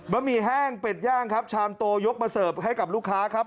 หมี่แห้งเป็ดย่างครับชามโตยกมาเสิร์ฟให้กับลูกค้าครับ